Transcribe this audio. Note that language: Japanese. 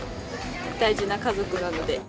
大事な家族なので。